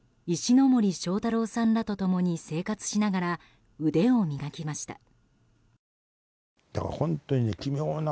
石ノ森章太郎さんらと共に生活しながら腕を磨きました。